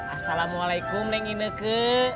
assalamualaikum neng indeke